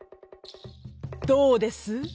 「どうです？